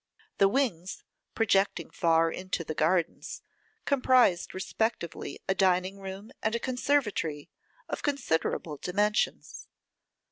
The wings, projecting far into the gardens, comprised respectively a dining room and a conservatory of considerable dimensions.